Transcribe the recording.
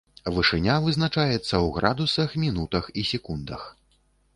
Вышыня вызначаецца ў градусах, мінутах і секундах.